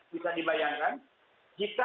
bisa dibayangkan jika